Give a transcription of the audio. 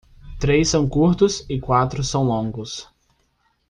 Três são curtos e quatro são longos.